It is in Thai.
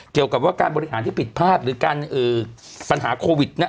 เกี่ยวกับว่าการบริหารที่ผิดพลาดหรือการปัญหาโควิดเนี่ย